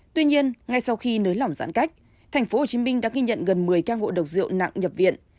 tuy nhiên ngay sau khi nới lỏng gián cách thành phố hồ chí minh đã ghi nhận gần một mươi ca ngộ độc diệu nặng nhập viện